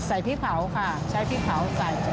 พริกเผาค่ะใช้พริกเผาใส่